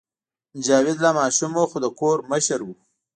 جاوید لا ماشوم و خو د کور مشر و